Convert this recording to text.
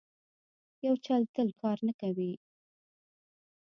یو چل تل کار نه ورکوي.